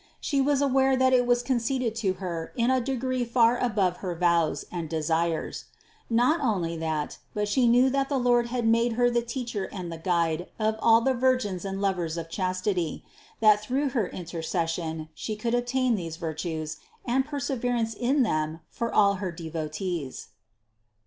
She was aware that it was conceded to Her in a degree far above her vows and desires. Not only that, but She knew that the Lord had made Her the Teacher and the Guide of all the virgins and lovers of chastity, and that through her in tercession, She could obtain these virtues and perse verance in them for all her devotees.